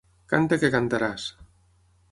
Canta que cantaràs.